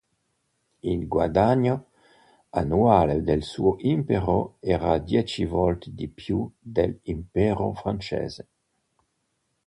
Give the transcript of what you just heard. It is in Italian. Il guadagno annuale del suo impero era dieci volte di più dell'Impero francese.